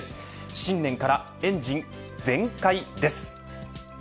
新年からエンジン全開です。